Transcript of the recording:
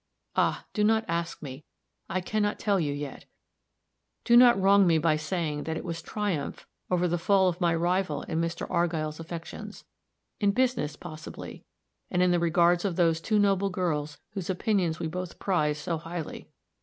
Ah, do not ask me; I can not tell you yet. Do not wrong me by saying that it was triumph over the fall of my rival in Mr. Argyll's affections, in business, possibly, and in the regards of those two noble girls whose opinions we both prized so highly.